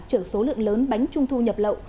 chở số lượng lớn bánh trung thu nhập lậu